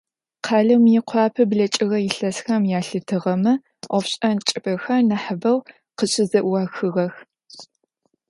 Къалэу Мыекъуапэ блэкӀыгъэ илъэсхэм ялъытыгъэмэ, ӀофшӀэн чӀыпӀэхэр нахьы бэу къыщызэӀуахыгъэх.